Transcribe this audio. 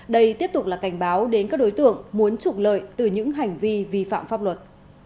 đây tiếp tục là cảnh báo đến các đối tượng muốn trục lợi từ những hành vi vi phạm pháp luật